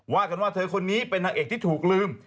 ว่ากันว่าเธอคนนี้เป็นนางเอกที่ถูกลืม